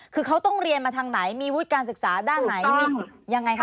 คือเขาต้องเรียนมาทางไหนมีวุฒิการศึกษาด้านไหนมียังไงคะ